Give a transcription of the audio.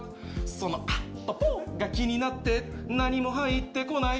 それが気になって何も入ってこない。